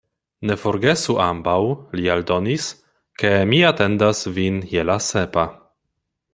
Ne forgesu ambaŭ, li aldonis, ke mi atendas vin je la sepa.